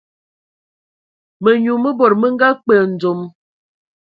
Mənyu mə bod mə nga kpe ndzom.